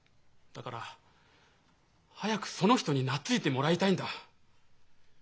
だから早くその人に懐いてもらいたいんだ。